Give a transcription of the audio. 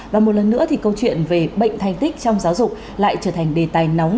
và một lần nữa thì câu chuyện về bệnh thành tích trong giáo dục lại trở thành đề tài nóng